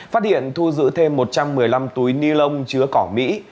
phát hiện thu giữ thêm một trăm một mươi năm túi ni lông chứa cỏ mỹ